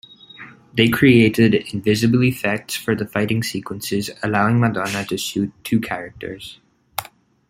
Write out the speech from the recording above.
They created "invisible" effects for the fighting sequences, allowing Madonna to shoot two characters.